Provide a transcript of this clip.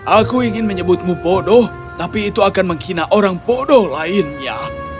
aku ingin menyebutmu bodoh tapi itu akan menghina orang bodoh lainnya